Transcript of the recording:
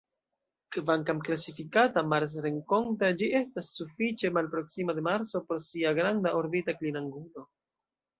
Kvankam klasifikata "marsrenkonta", ĝi restas sufiĉe malproksima de Marso pro sia granda orbita klinangulo.